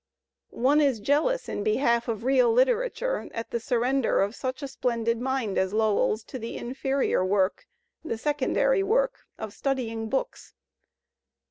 One is jealous in behalf of real literature at the surrender of such a splendid mind as Lowell's to the inferior work, the secondary work, of study ing books.